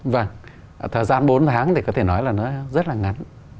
vâng thời gian bốn tháng thì có thể nói là nó rất là ngắn